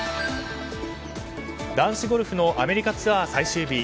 男子ゴルフのアメリカツアー最終日。